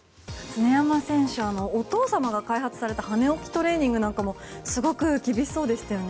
常山選手お父様が開発された羽置きトレーニングなんかもすごく厳しそうでしたよね。